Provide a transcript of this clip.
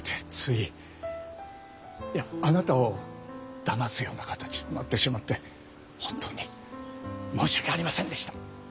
いやあなたをだますような形となってしまって本当に申し訳ありませんでした。